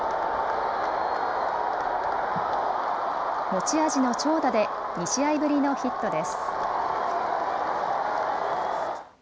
持ち味の長打で２試合ぶりのヒットです。